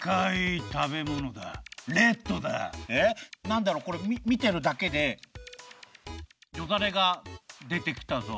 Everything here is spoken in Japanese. なんだろこれみてるだけでよだれがでてきたぞ。